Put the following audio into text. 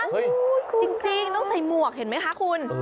เฮ้ยคุณครับจริงต้องใส่หมวกเห็นไหมคะคุณ